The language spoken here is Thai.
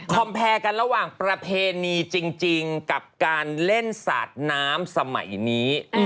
แพรกันระหว่างประเพณีจริงกับการเล่นสาดน้ำสมัยนี้